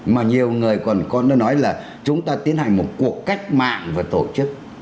mà nhiều người còn có nó nói là chúng ta tiến hành một cuộc cách mạng và tổ chức